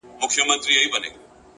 شېخ سره وښورېدی زموږ ومخته کم راغی،